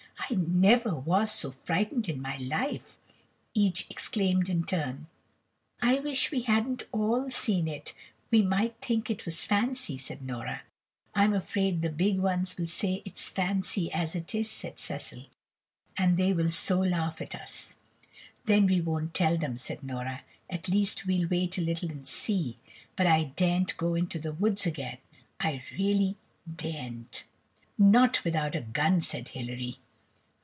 "I never was so frightened in my life," each exclaimed in turn. "If we hadn't all seen it, we might think it was fancy," said Nora. "I'm afraid the big ones will say it's fancy as it is," said Cecil, "and they will so laugh at us." "Then we won't tell them," said Nora, "at least we'll wait a little and see. But I daren't go into the woods again; I really daren't." "Not without a gun," said Hilary.